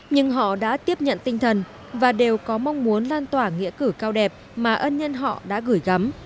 nhưng họ đã tiếp nhận tinh thần và đều có mong muốn lan tỏa nghĩa cử cao đẹp mà ân nhân họ đã gửi gắm